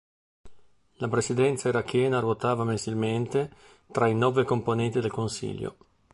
La presidenza irachena ruotava mensilmente tra i nove componenti del Consiglio.